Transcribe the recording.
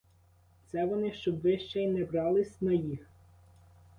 Це вони, щоб ви ще й не брались на їх.